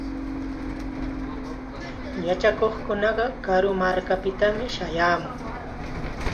Yachakuqkunaqa karu markakunapitam shayaamun.